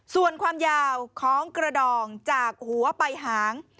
ส่วนความยาวของกระดองจากหัวไปหาง